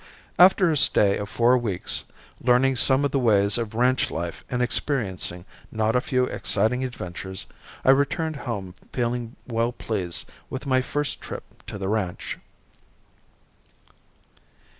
After a stay of four weeks, learning something of the ways of ranch life and experiencing not a few exciting adventures, I returned home feeling well pleased with my first trip to the ranch.